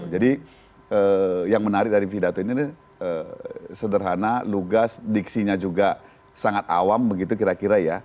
jadi yang menarik dari pidato ini sederhana lugas diksinya juga sangat awam begitu kira kira ya